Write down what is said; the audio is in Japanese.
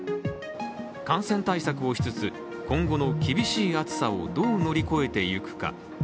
感染対策をしつつ、今後の厳しい暑さをどう乗り越えていくか。